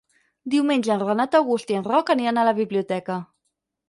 Diumenge en Renat August i en Roc aniran a la biblioteca.